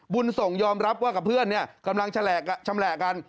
บุญส่งยอมรับว่ากับเพื่อนกำลังชำแหละกัน